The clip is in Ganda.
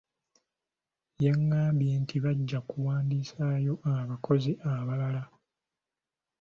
Yagambye nti bajja kuwandiisaayo abakozi abalala.